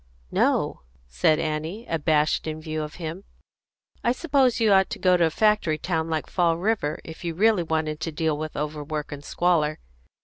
"No," said Annie, abashed in view of him. "I suppose you ought to go to a factory town like Fall River, if you really wanted to deal with overwork and squalor."